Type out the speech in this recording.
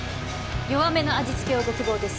弱めの味付けをご希望です